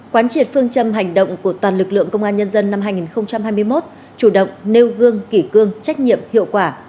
quán triệt phương châm hành động của toàn lực lượng công an nhân dân năm hai nghìn hai mươi một chủ động nêu gương kỷ cương trách nhiệm hiệu quả